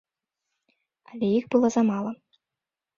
Але іх было замала.